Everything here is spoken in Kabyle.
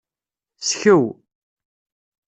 Skew.